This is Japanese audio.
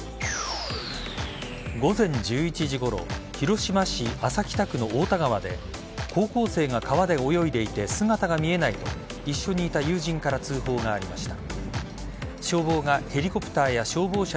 午前１１時ごろ広島市安佐北区の太田川で高校生が川で泳いでいて姿が見えないと一緒にいた友人から通報がありました。